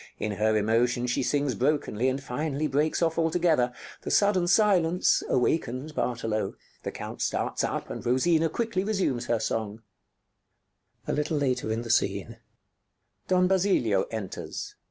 In her emotion she sings brokenly, and finally breaks off altogether. The sudden silence awakens Bartolo. The Count starts up, and Rosina quickly resumes her song_.] _[Don Basilio enters.